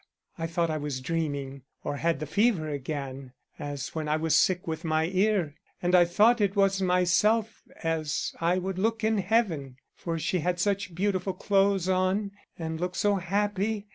"I thought I was dreaming or had the fever again, as when I was sick with my ear, and I thought it was myself as I would look in heaven, for she had such beautiful clothes on and looked so happy.